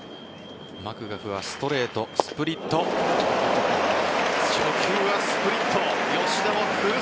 マクガフはストレート、スプリット初球はスプリット。